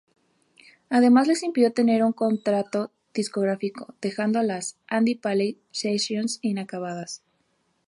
Además les impidió tener un contrato discográfico, dejando las Andy Paley Sessions inacabadas.